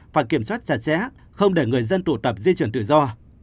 và kiểm soát chặt chẽ không để người dân tụ tập di chuyển tự do